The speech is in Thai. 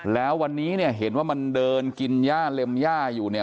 แล้ววันนี้เนี่ยเห็นว่ามันเดินกินย่าเล็มย่าอยู่เนี่ย